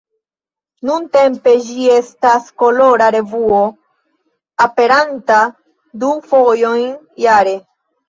Nuntempe ĝi estas kolora revuo, aperanta du fojojn jare.